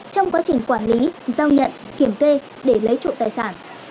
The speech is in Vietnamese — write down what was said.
trong quá trình quản lý giao nhận kiểm kê để lấy trộm tài sản